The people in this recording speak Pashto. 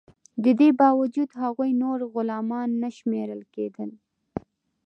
د دې باوجود هغوی نور غلامان نه شمیرل کیدل.